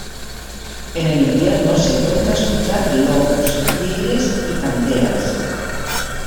En el invierno se pueden escuchar lobos, tigres y panteras.